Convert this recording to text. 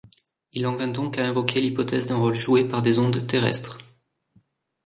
Il en vint donc à invoquer l'hypothèse d'un rôle joué par des ondes terrestres.